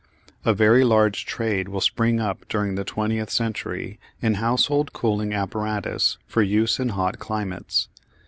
A very large trade will spring up during the twentieth century in household cooling apparatus for use in hot climates.